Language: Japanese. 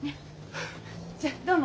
じゃっどうも。